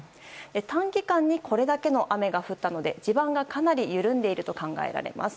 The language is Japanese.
短期間にこれだけの雨が降ったので地盤がかなり緩んでいると考えられます。